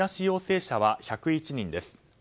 陽性者は１０１人です。